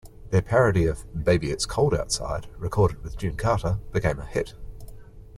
Their parody of "Baby It's Cold Outside", recorded with June Carter, became a hit.